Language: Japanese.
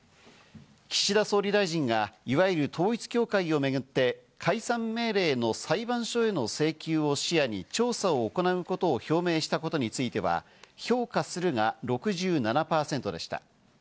岸田総理大臣がいわゆる統一教会をめぐって、解散命令の裁判所への請求を視野に調査を行うことを表明したことについては、評価するが６７％でした。